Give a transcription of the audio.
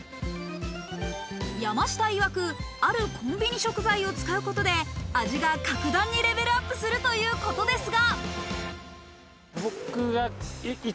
山下いわく、あるコンビニ食材を使うことで味が格段にレベルアップするということですが。